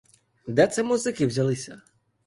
Де це музики взялися?